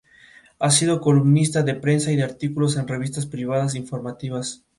Ha sido columnista de prensa y de artículos en revistas privadas informativas.